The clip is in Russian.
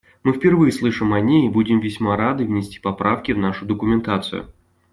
Мы впервые слышим о ней и будем весьма рады внести поправки в нашу документацию.